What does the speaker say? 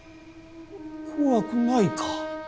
怖くないか。